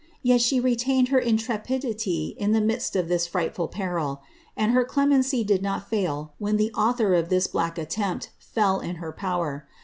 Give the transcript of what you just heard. Yrt »Iie retained her intrepidity in the iniddt of this frightful peril; and her * clemency did not fail when the author of this blark attempt fell in her povtr.